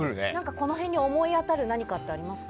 この辺に思い当たる何かありますか？